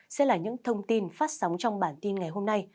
sẽ là những thông tin phát sóng trong bản tin ngày hôm nay